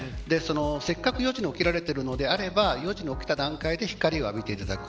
せっかく４時に起きられているのであれば４時に起きた段階で光を浴びていただく。